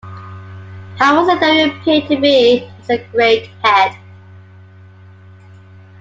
How was it that you appeared to me as a great Head?